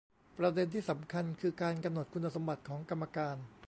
ประเด็นที่สำคัญคือ การกำหนดคุณสมบัติของกรรมการ